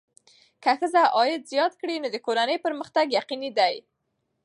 که ښځه عاید زیات کړي، نو د کورنۍ پرمختګ یقیني دی.